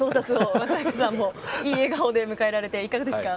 松坂さんもいい笑顔で迎えられていかがですか？